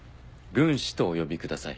軍師とお呼びください。